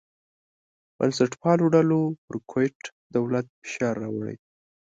بنسټپالو ډلو پر کویت دولت فشار راوړی.